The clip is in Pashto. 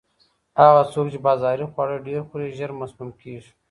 هغه څوک چې بازاري خواړه ډېر خوري، ژر مسموم کیږي.